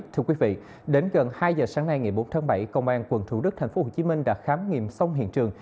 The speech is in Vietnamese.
thưa quý vị đến gần hai giờ sáng nay ngày bốn tháng bảy công an quận thủ đức tp hcm đã khám nghiệm xong hiện trường